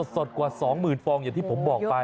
สดกว่า๒๐๐๐ฟองอย่างที่ผมบอกไป